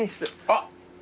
あっ！